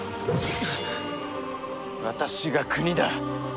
私が国だ！